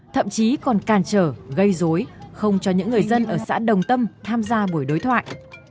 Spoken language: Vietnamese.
thậm chí còn càn trở gây dối không cho những người dân ở xã đồng tâm tham gia buổi đối thoại